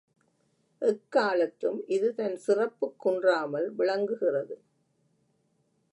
எக்காலத்தும் இது தன் சிறப்புக் குன்றாமல் விளங்குகிறது.